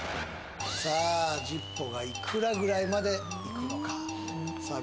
さあＺｉｐｐｏがいくらぐらいまでいくのかさあ